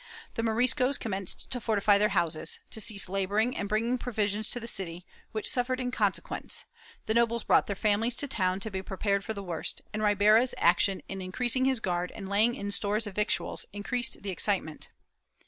The Moriscos commenced to fortify their houses, to cease laboring and bringing provisions to the city, which suffered in consequence ; the nobles brought their families to town to be prepared for the worst, and Ribera's action in increas ing his guard and laying in stores of victuals increased the excite ment.